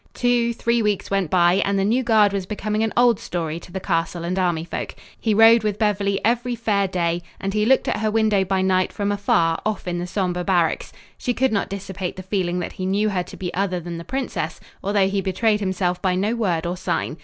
Two, three weeks went by and the new guard was becoming an old story to the castle and army folk. He rode with Beverly every fair day and he looked at her window by night from afar off in the sombre barracks. She could not dissipate the feeling that he knew her to be other than the princess, although he betrayed himself by no word or sign.